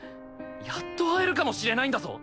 やっと会えるかもしれないんだぞ！